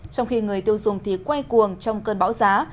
trong khi người tiêu dùng thì quay cuồng trong cơn bão giá